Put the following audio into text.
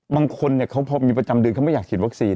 บางคนเขาพอมีประจำเดือนเขาไม่อยากฉีดวัคซีน